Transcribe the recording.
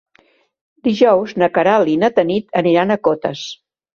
Dijous na Queralt i na Tanit aniran a Cotes.